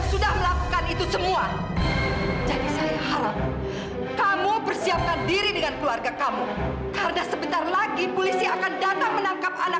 sampai jumpa di video selanjutnya